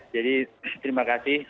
jadi terima kasih